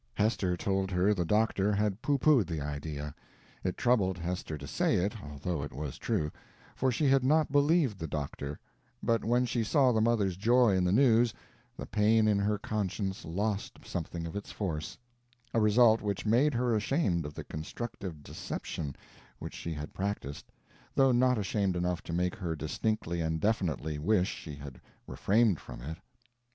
Hester told her the doctor had poo pooed the idea. It troubled Hester to say it, although it was true, for she had not believed the doctor; but when she saw the mother's joy in the news, the pain in her conscience lost something of its force a result which made her ashamed of the constructive deception which she had practiced, though not ashamed enough to make her distinctly and definitely wish she had refrained from it.